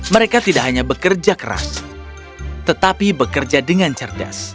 mereka tidak hanya bekerja keras tetapi bekerja dengan cerdas